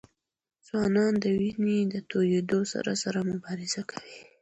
ځوانان د وینې د تویېدو سره سره مبارزه کوي.